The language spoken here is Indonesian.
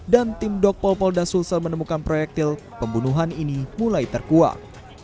dan tim dokpol pol dasulsel menemukan proyektil pembunuhan ini mulai terkuat